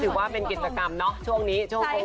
ถือว่าเป็นกิจกรรมเนอะช่วงนี้ช่วงโควิด